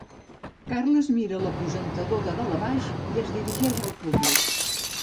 Carles mira l’aposentador de dalt a baix i es dirigeix al públic.